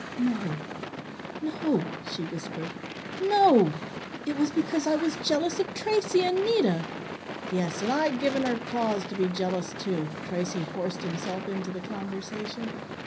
"No no," she whispered. "No! It was because I was jealous of Tracey and Nita " "Yes, and I'd given her cause to be jealous, too!" Tracey forced himself into the conversation.